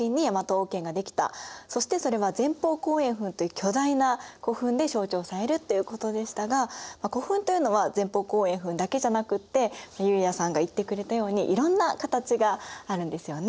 そしてそれは前方後円墳という巨大な古墳で象徴されるということでしたが古墳というのは前方後円墳だけじゃなくって悠也さんが言ってくれたようにいろんな形があるんですよね。